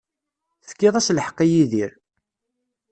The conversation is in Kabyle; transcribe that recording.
Tefkiḍ-as lḥeqq i Yidir.